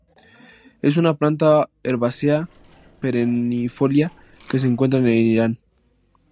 Es una planta herbácea perennifolia que se encuentra en Irán.